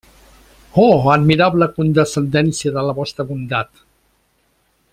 Oh admirable condescendència de la vostra bondat!